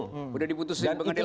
sudah diputusin pengadilan